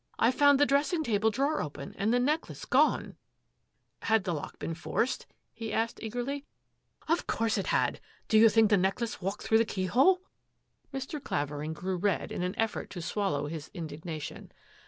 I found the dressing table drawer open and the necklace gone." " Had the lock been forced.'* " he asked eagerly. " Of course it had. Did you think the neck lace walked through the keyhole? " 10 THAT AFFAIR AT THE MA Mr. Clavering grew red in an effort his indignation.